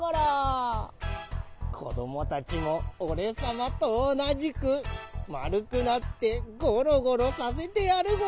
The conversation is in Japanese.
こどもたちもおれさまとおなじくまるくなってゴロゴロさせてやるゴロ！